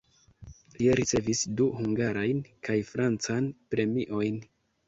Li ricevis du hungarajn kaj francan premiojn.